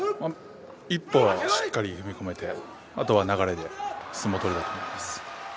一歩しっかり踏み込めて、あとは流れで相撲を取れたと思います。